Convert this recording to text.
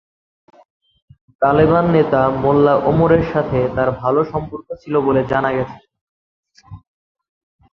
তালেবান নেতা মোল্লা ওমরের সাথে তার ভালো সম্পর্ক ছিল বলে জানা গেছে।